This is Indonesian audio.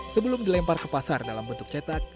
sebelum dilempar ke pasar dalam bentuk cetak